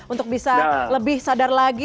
untuk bisa lebih sadar lagi